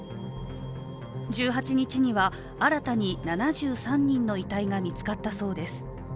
１８日には新たに７３人の遺体が見つかったそうです。